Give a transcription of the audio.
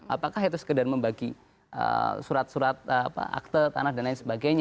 apakah itu sekedar membagi surat surat akte tanah dan lain sebagainya